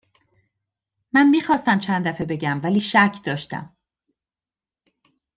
من خواستم چند دفعه بگم ولی شک داشتم